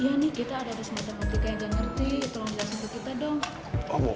iya nih kita ada di sistematika yang gak ngerti tolong jelasin ke kita dong